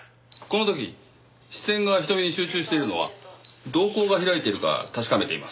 この時視線が瞳に集中しているのは瞳孔が開いているか確かめています。